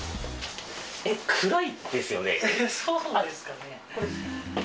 そうですかね。